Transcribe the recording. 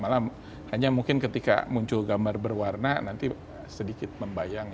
malah hanya mungkin ketika muncul gambar berwarna nanti sedikit membayang